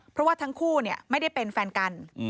เพราะว่าทั้งคู่ไม่ได้เป็นแฟนกัน